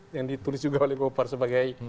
yang ditulis juga oleh gopar sebagai